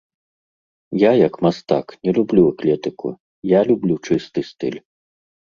Я, як мастак, не люблю эклектыку, я люблю чысты стыль.